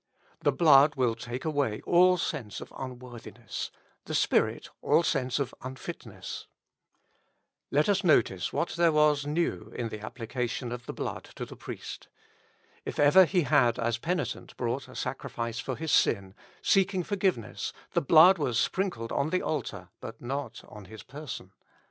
The blood will take away all sense of unworthiness ; the Spirit, all sense of unfitness. 247 With Christ in the School of Prayer. Let us notice what there was new in the application of the blood to the priest. If ever he had as a penitent brought a sacrifice for his sin, seeking forgiveness the blood was sprinkled on the altar, but not on his person.